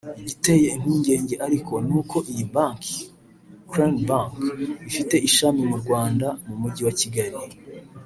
Igiteye impungenge ariko n’uko iyi Bank [Crane Bank] ifite ishami mu Rwanda mu mujyi wa Kigali